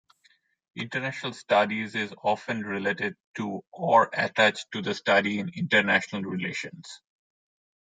International Studies is often related to or attached to the study in International Relations.